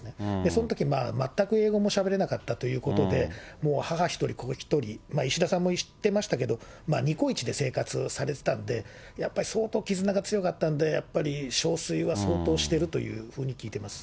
そのとき、全く英語もしゃべれなかったということで、もう母１人、子１人、石田さんも言ってましたけど、にこいちで生活されてたんで、やっぱり相当絆が強かったんで、やっぱり憔悴は相当しているというふうに聞いています。